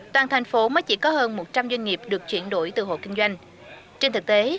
toàn thành phố mới chỉ có hơn một trăm linh doanh nghiệp được chuyển đổi từ hộ kinh doanh trên thực tế